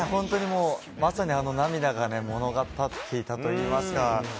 まさに、あの涙が物語っていたといいますか。